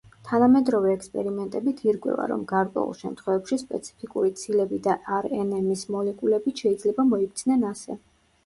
თანამედროვე ექსპერიმენტებით ირკვევა, რომ გარკვეულ შემთხვევებში, სპეციფიკური ცილები და რნმ-ის მოლეკულებიც შეიძლება მოიქცნენ ასე.